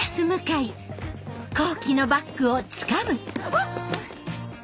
あっ！